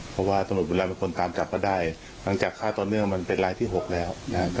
เพราะว่าตำรวจบุรีรำเป็นคนกลามจับก็ได้หลังจากค่าตอนเนื่องมันเป็นรายที่๖แล้ว